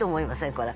これ。